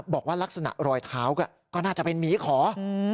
บอกว่าลักษณะรอยเท้าก็น่าจะเป็นหมีขอ